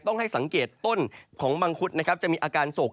ต้องให้สังเกตต้นของมังคุดนะครับจะมีอาการโศก